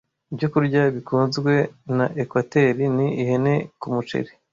Ibyokurya bikunzwe na Ekwateri ni ihene ku muceri